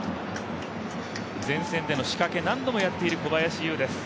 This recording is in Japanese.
前線からの仕掛け何度もやっている小林悠です。